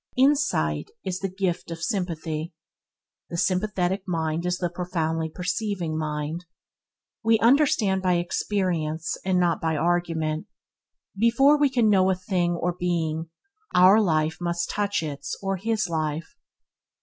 Insight is the gift of sympathy. The sympathetic mind is the profoundly perceiving mind. We understand by experience, and not by argument. Before we can know a thing or being, our life must touch its or his life.